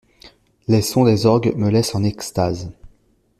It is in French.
Les sons des orgues me laissent en extase.